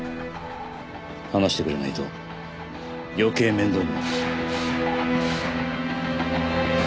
話してくれないと余計面倒になる。